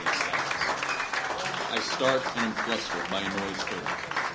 For example, I start and am flustered by a noise heard.